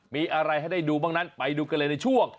มีอะไรให้ได้ดูบ้างนั้นไปดูกันเลยในช่วง